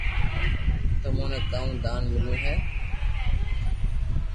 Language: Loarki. تمو ني ڪاو دان مليو ھي